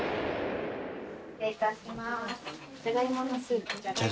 失礼いたします。